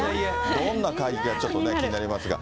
どんな会議か、ちょっと気になりますが。